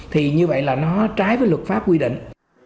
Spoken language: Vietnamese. thì như vậy là nó trái với luật pháp quy định